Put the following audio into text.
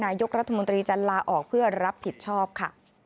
นายกรัฐมนตรีจะลาออกเพื่อรับผิดชอบค่ะ